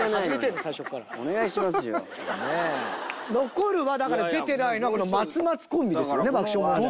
残るはだから出てないのはこの松松コンビですよね爆笑問題の。